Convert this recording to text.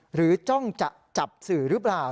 หรือจ้องจะจับสื่อรึเปล่า